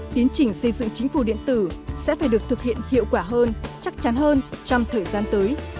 tiến trình xây dựng chính phủ điện tử sẽ phải được thực hiện hiệu quả hơn chắc chắn hơn trong thời gian tới